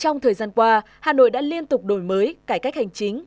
trong thời gian qua hà nội đã liên tục đổi mới cải cách hành chính